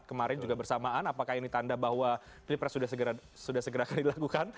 kemarin juga bersamaan apakah ini tanda bahwa pilpres sudah segera dilakukan